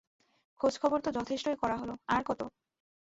খোঁজখবর তো যথেষ্টই করা হল, আর কত?